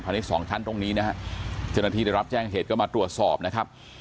อันนี้สองชั้นตรงนี้นะฮะเจ้าหน้าที่ได้รับแจ้งเหตุก็มาตรวจสอบนะครับ